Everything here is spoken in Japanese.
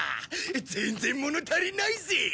全然物足りないぜ。